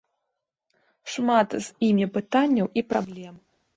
Шмат з імі пытанняў і праблем.